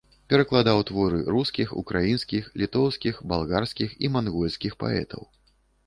Перакладаў творы рускіх, украінскіх, літоўскіх, балгарскіх і мангольскіх паэтаў.